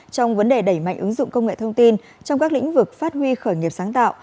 trong vấn đề đẩy mạnh ứng dụng công nghệ thông tin trong các lĩnh vực phát huy khởi nghiệp sáng tạo